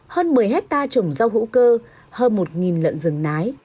hơn một mươi hectare trồng rau hữu cơ hơn một lợn rừng nái